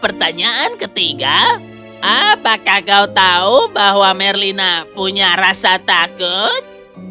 pertanyaan ketiga apakah kau tahu bahwa merlina punya rasa takut